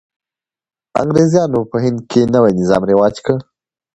انګرېزانو په هند کې نوی نظام رواج کړ.